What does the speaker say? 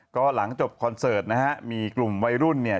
ก็หลังจบคอนเสิร์ตนะฮะมีกลุ่มวัยรุ่นเนี่ย